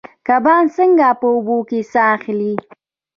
کبان څنګه په اوبو کې ساه اخلي؟